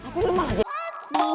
kau mau kemana